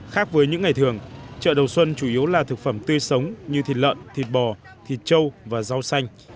khác với những ngày thường chợ đầu xuân chủ yếu là thực phẩm tươi sống như thịt lợn thịt bò thịt trâu và rau xanh